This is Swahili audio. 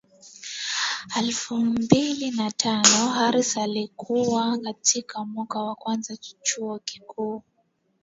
Mwaka elfu mbili na tano Harris alikuwa katika mwaka wa kwanza Chuo Kikuu